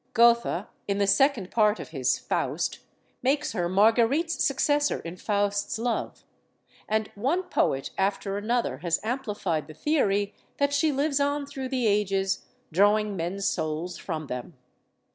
Goethe, in the second part of his "Faust," makes her Marguerite's successor in Faust's love. And one poet after another has amplified the theory that she lives on through the ages, drawing men's souls from them.